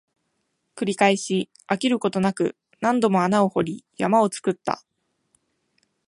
繰り返し、飽きることなく、何度も穴を掘り、山を作った